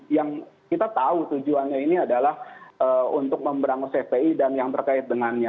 yang kita tahu tujuannya ini adalah untuk memberangus fpi dan yang terkait dengannya